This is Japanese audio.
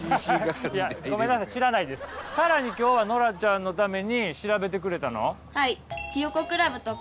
更に今日はノラちゃんのために調べてくれたの？